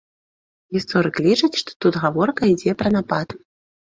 Гісторык лічыць, што тут гаворка ідзе пра напад.